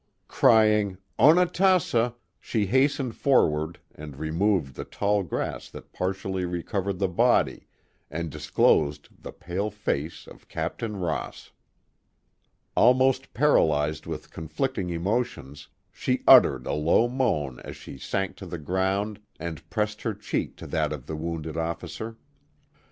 Crying, Onatassa," she hastened forward and removed the tall grass that partially covered the body, and disclosed the pale face of Captain Ross. Almost paralyzed with conflicting emotions, she uttered a low moan as she sank to the ground and pressed her cheek to that of the wounded officer.